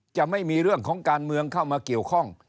จะไม่มีเรื่องของการเมืองเข้ามาเกี่ยวข้อง